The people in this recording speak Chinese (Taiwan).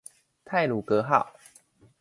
太魯閣號